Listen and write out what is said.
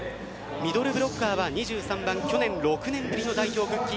ミドルブロッカーは２３番去年、６年ぶりの代表復帰